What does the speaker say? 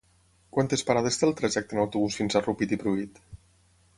Quantes parades té el trajecte en autobús fins a Rupit i Pruit?